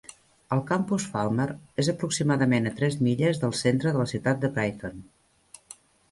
El campus Falmer és aproximadament a tres milles del centre de la ciutat de Brighton.